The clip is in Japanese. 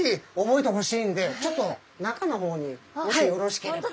覚えてほしいんでちょっと中の方にもしよろしければ。